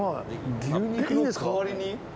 牛肉の代わりに？